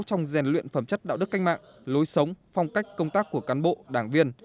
trong rèn luyện phẩm chất đạo đức canh mạng lối sống phong cách công tác của cán bộ đảng viên